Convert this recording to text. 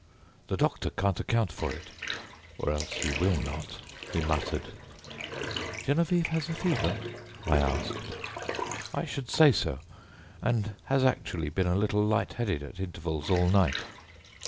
The doctor can't account for it; or else he will not," he muttered. "Geneviève has a fever?" I asked. "I should say so, and has actually been a little light headed at intervals all night.